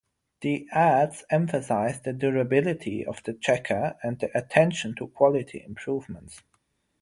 The ads emphasized the durability of the Checker and the attention to quality improvements.